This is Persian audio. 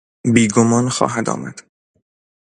بیگمان خواهد آمد.